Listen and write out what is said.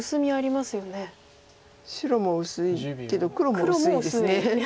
白も薄いけど黒も薄いです。